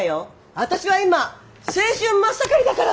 私は今青春真っ盛りだから。